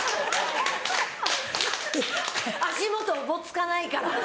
足元おぼつかないから。